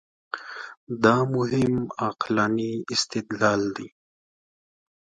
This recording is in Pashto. دا مهم عقلاني استدلال دی.